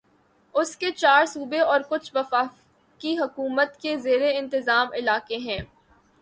اس کے چار صوبے اور کچھ وفاقی حکومت کے زیر انتظام علاقے ہیں